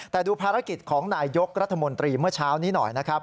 แต่ดูภารกิจของนายยกรัฐมนตรีเมื่อเช้านี้หน่อยนะครับ